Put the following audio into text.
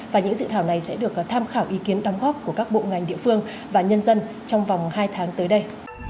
và những dự thảo này sẽ được tham khảo ý kiến đóng góp của các bộ ngành địa phương và nhân dân trong vòng hai tháng tới đây